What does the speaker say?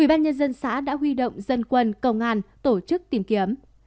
ubnd xã đã huy động dân quân công an tổ chức tìm kiếm